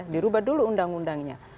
dirubah dulu undang undangnya